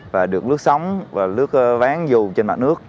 và được lướt sóng và lướt ván dù trên mặt nước